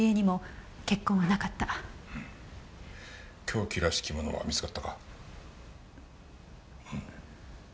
凶器らしきものは見つかったか？